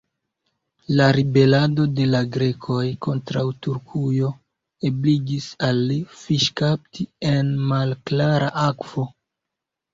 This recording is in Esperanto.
La ribelado de la Grekoj kontraŭ Turkujo ebligis al li fiŝkapti en malklara akvo.